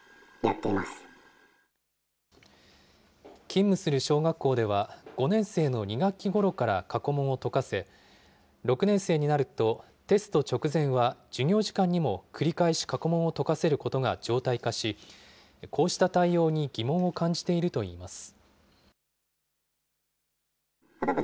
勤務する小学校では、５年生の２学期ごろから過去問を解かせ、６年生になると、テスト直前は授業時間にも繰り返し過去問を解かせることが常態化し、こうした対応に疑問を感じているといいます。